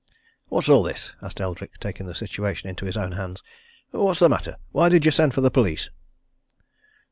"What's all this?" asked Eldrick, taking the situation into his own hands. "What's the matter? Why did you send for the police?"